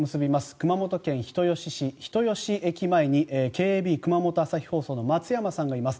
熊本県人吉市人吉駅前にＫＡＢ・熊本朝日放送の松山さんがいます。